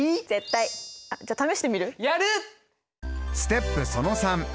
じゃあ試してみる？